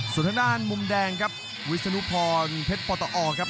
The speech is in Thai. ส่วนทางด้านมุมแดงครับวิศนุพรเพชรปตอครับ